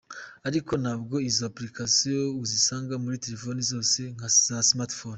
Ariko ntabwo izo applications uzisanga muri telefone zose za smartphones.